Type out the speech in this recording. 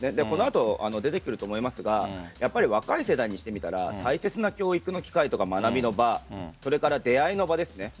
この後、出てくると思いますが若い世代にしてみたら大切な教育の機会や学びの場それから出会いの場です。